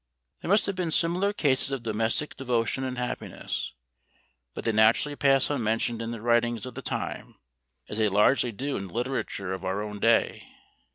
There must have been many similar cases of domestic devotion and happiness, but they naturally pass unmentioned in the writings of the time, as they largely do in the literature of our own day.